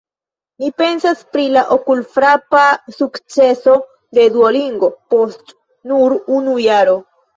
Mi pensas pri la okulfrapa sukceso de Duolingo post nur unu jaro.